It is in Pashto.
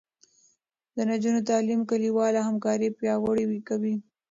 د نجونو تعلیم کلیواله همکاري پیاوړې کوي.